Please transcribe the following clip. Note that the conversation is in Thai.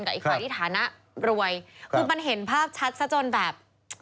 อีกฝ่ายที่ฐานะรวยคือมันเห็นภาพชัดซะจนแบบ